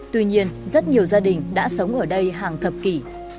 tuy nhiên rất nhiều gia đình đã sống ở đây hàng thập kỷ